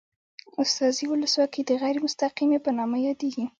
استازي ولسواکي د غیر مستقیمې په نامه یادیږي.